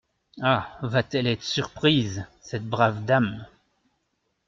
Ah ! va-t-elle être surprise, cette brave dame !…